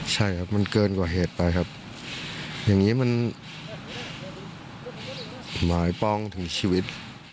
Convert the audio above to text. ใช่ครับมันเกินกว่าเหตุไปครับอย่างนี้มันหมายป้องถึงชีวิต